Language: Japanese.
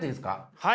はい。